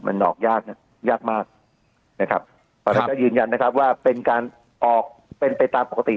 มันออกยากนะยากยากมากนะครับตอนนั้นก็ยืนยันนะครับว่าเป็นการออกเป็นไปตามปกติ